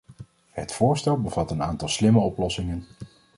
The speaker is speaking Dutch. Het voorstel bevat een aantal slimme oplossingen.